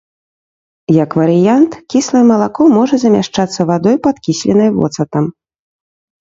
Як варыянт, кіслае малако можа замяшчацца вадой, падкісленай воцатам.